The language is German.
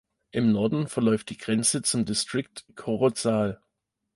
Im Norden verläuft die Grenze zum Distrikt Corozal.